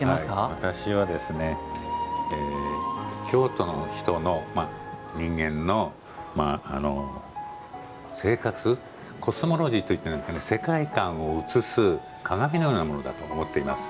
私は京都の人間のコスモロジーといった世界観を映す鏡のようなものだと思っています。